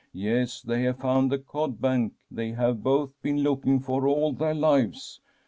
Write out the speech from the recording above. ' Yes, they have found the cod bank they have both been looking for all their lives.